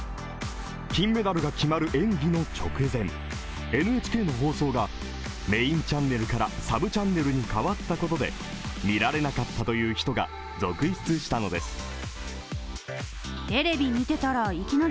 金メダルが決まる演技の直前ＮＨＫの放送がメインチャンネルからサブチャンネルに変わったことで見られなかったという人が続出したのです。